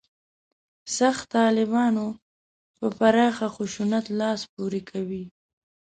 «سخت طالبانو» په پراخ خشونت لاس پورې کوي.